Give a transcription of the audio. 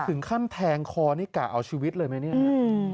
ถึงขั้นแทงคอนี่กะเอาชีวิตเลยไหมเนี่ย